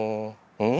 うん？